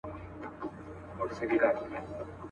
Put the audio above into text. چي ژوندی وي د سړي غوندي به ښوري.